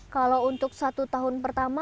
kalau untuk satu tahun pertama